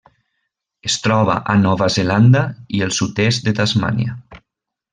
Es troba a Nova Zelanda i el sud-est de Tasmània.